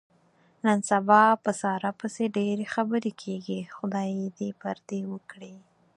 نن سبا په ساره پسې ډېرې خبرې کېږي. خدای یې دې پردې و کړي.